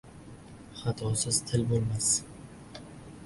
• Xatosiz til bo‘lmas.